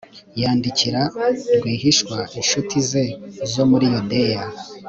yandikira rwihishwa incuti ze zo muri yudeya